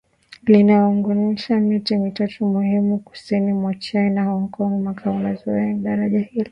Linaunganisha miji mitatu muhimu kusini mwa China Hong Kong Macau na Zhuhai Daraja hilo